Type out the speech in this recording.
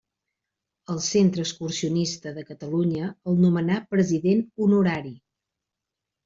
El Centre Excursionista de Catalunya el nomenà president honorari.